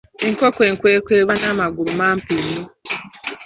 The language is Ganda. Enkoko enkwekwe eba n’amagulu mampi nnyo.